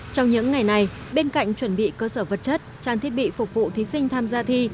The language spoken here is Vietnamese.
trong những ngày này bên cạnh chuẩn bị cơ sở vật chất trang thiết bị phục vụ thí sinh tham gia thi